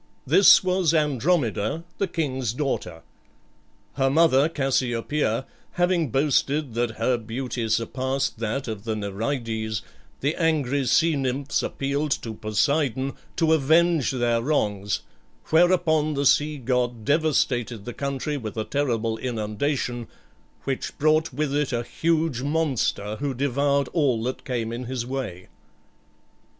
This was Andromeda, the king's daughter. Her mother Cassiopea, having boasted that her beauty surpassed that of the Nereides, the angry sea nymphs appealed to Poseidon to avenge their wrongs, whereupon the sea god devastated the country with a terrible inundation, which brought with it a huge monster who devoured all that came in his way.